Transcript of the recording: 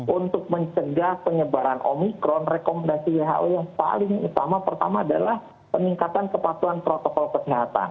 untuk mencegah penyebaran omikron rekomendasi who yang paling utama pertama adalah peningkatan kepatuhan protokol kesehatan